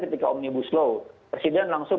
ketika omnibus law presiden langsung